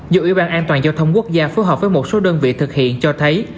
do ủy ban an toàn giao thông quốc gia phù hợp với một số đơn vị thực hiện cho thấy